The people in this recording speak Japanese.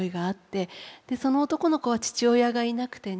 でその男の子は父親がいなくてね